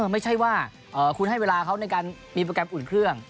ไม่ใช่ว่าคุณให้เวลาเขาในการมีโปรแกรมอุ่นเครื่อง